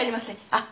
あっ！